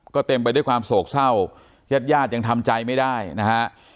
ก็เต็มไปด้วยความโศกเศร้าญาติญาติยังทำใจไม่ได้นะฮะ